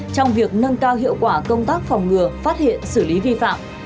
trong việc nâng cao hiệu quả công tác phòng ngừa phát hiện xử lý vi phạm